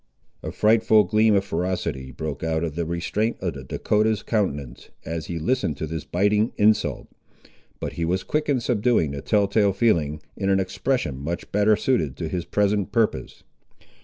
A frightful gleam of ferocity broke out of the restraint of the Dahcotah's countenance, as he listened to this biting insult; but he was quick in subduing the tell tale feeling, in an expression much better suited to his present purpose.